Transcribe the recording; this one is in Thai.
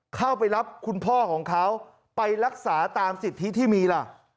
เข้าไปรับคุณพ่อของเขาไปรักษาตามสิทธิที่มีล่ะ